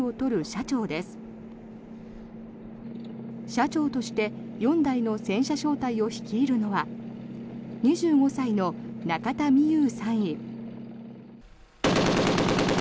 車長として４台の戦車小隊を率いるのは２５歳の中田実優３尉。